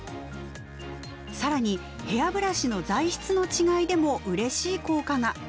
更にヘアブラシの材質の違いでもうれしい効果が。